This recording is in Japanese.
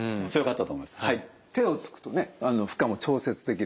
手をつくとね負荷も調節できる。